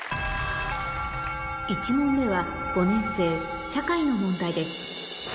１問目は５年生社会の問題です